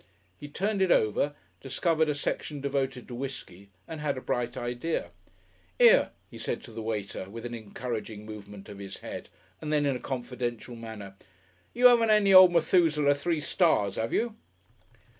He turned it over, discovered a section devoted to whiskey, and had a bright idea. "'Ere," he said to the waiter, with an encouraging movement of his head, and then in a confidential manner, "you haven't any Old Methuselah Three Stars, 'ave you?"